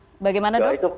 ya bagaimana dok